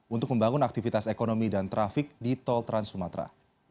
untuk membangun aktivitas ekonomi dan trafik di tol trans sumatera